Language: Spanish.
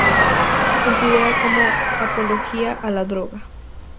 Se consideraba como apología a la droga.